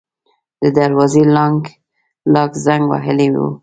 د دروازې لاک زنګ وهلی و.